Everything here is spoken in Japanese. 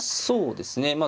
そうですね。